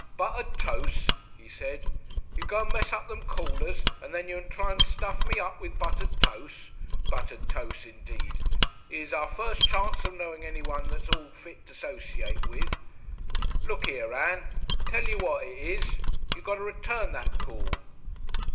"Buttud Toce!" he said. "You go and mess up them callers and then you try and stuff me up with Buttud Toce! Buttud Toce indeed! 'Ere's our first chance of knowing anyone that's at all fit to 'sociate with . Look 'ere, Ann! Tell you what it is you got to return that call."